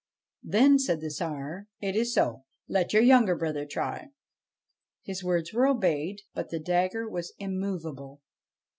Then said the Tsar :' It is so. Let your younger brother try.' His words were obeyed ; but the dagger was immovable.